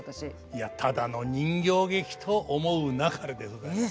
いやただの人形劇と思うなかれでございます。